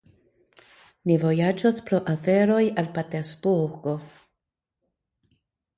Ni vojaĝos pro aferoj al Patersburgo.